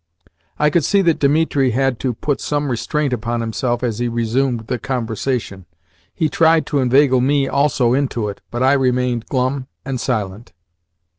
I could see that Dimitri had to put some restraint upon himself as he resumed the conversation. He tried to inveigle me also into it, but I remained glum and silent.